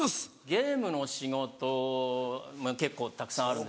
ゲームの仕事結構たくさんあるんですけど。